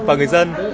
và người dân